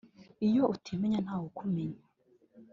iyo utimenya ntawe ukumenya